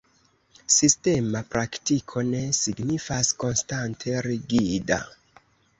Sistema praktiko ne signifas konstante rigida.